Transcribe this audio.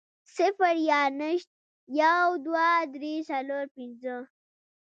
صفر يا نشت, يو, دوه, درې, څلور, پنځه